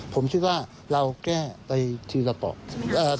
ผมคิดว่าเราแก้ไปทีแล้วต่อ